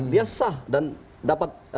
dia sah dan dapat